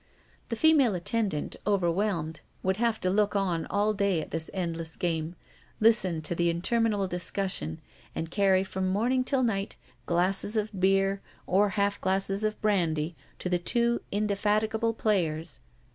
The female attendant, overwhelmed, would have to look on all day at this endless game, listen to the interminable discussion, and carry from morning till night glasses of beer or half glasses of brandy to the two indefatigable players.